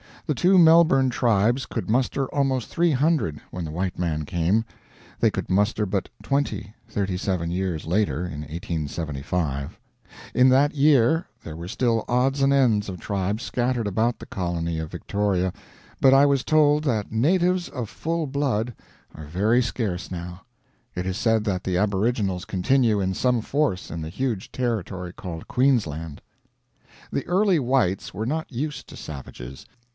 The two Melbourne tribes could muster almost 300 when the white man came; they could muster but twenty, thirty seven years later, in 1875. In that year there were still odds and ends of tribes scattered about the colony of Victoria, but I was told that natives of full blood are very scarce now. It is said that the aboriginals continue in some force in the huge territory called Queensland. The early whites were not used to savages.